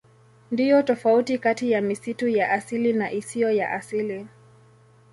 Ndiyo tofauti kati ya misitu ya asili na isiyo ya asili.